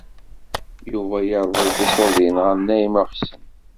Yuba irḍel-d iṣurdiyen ɣer Naɛima u Ḥsen.